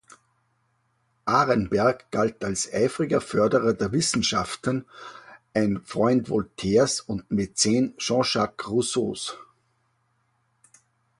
Arenberg galt als eifriger Förderer der Wissenschaften, ein Freund Voltaires und Mäzen Jean-Jacques Rousseaus.